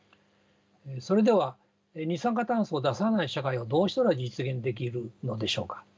それでは二酸化炭素を出さない社会をどうしたら実現できるのでしょうか。